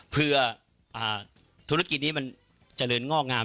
เพื่อธุรกิจนี้มันเจริญงอกงาม